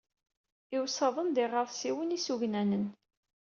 Iwsaḍen d iɣersiwen isugnanen.